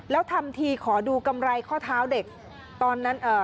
แล้วทำทีขอดูกำไรข้อเท้าเด็กตอนนั้นเอ่อ